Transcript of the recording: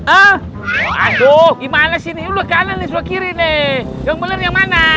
ah aduh gimana sih ini udah kanan nih sudah kiri nih yang bener yang mana